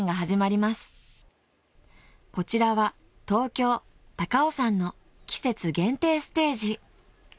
［こちらは東京高尾山の季節限定ステージ］